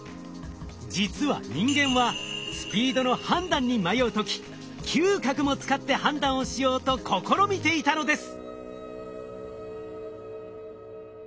実は人間はスピードの判断に迷う時嗅覚も使って判断をしようと試みていたのです！